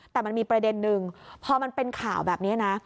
แต่มันมีประเด็นนึงพอมันเป็นข่าวแบบนี้นะ